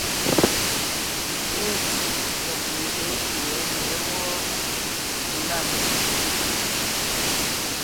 Nê ntí lɔ̀g ńŋeʼe yɛ̌ yɛ̌ wɔ́ɔ, lâ mefʉ̀ʼ.